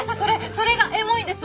それがエモいんです。